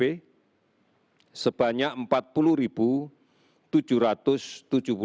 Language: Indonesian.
ini adalah kasus odp